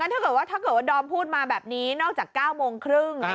ถ้าเกิดว่าดอมพูดมาแบบนี้นอกจาก๙โมงครึ่ง